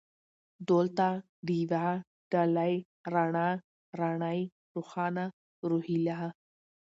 دولته ، ډېوه ، ډالۍ ، رڼا ، راڼۍ ، روښانه ، روهيله